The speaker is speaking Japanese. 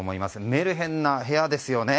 メルヘンな部屋ですよね。